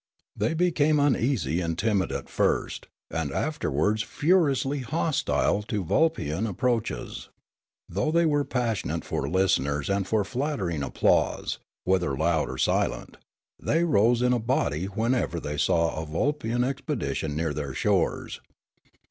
They became uneasy and timid at first, and afterwards furi ously hostile to Vulpian approaches. Though they were passionate for listeners and for flattering applause, whether loud or silent, the}' rose in a body whenever the}' saw a Vulpian expedition near their shores.